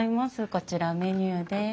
こちらメニューです。